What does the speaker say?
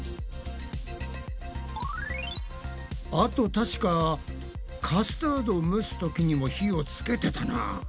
あと確かカスタードを蒸すときにも火をつけてたな。